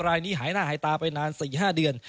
รายนี้หายหน้าหายตาไปนาน๔๕เดือน